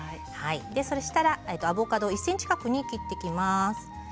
そしたら、アボカドを１ｃｍ角に切っていきます。